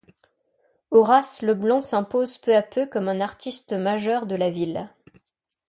Horace Le Blanc s'impose peu à peu comme un artiste majeur de la ville.